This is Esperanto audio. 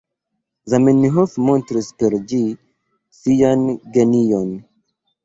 Zamenhof montris per ĝi sian genion.